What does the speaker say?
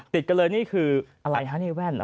ติดกันเลยนี่คืออะไรฮะนี่แว่นเหรอ